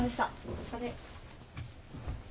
お疲れ。